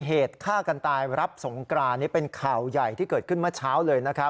เหตุฆ่ากันตายรับสงกรานนี่เป็นข่าวใหญ่ที่เกิดขึ้นเมื่อเช้าเลยนะครับ